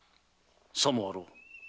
さもあろう。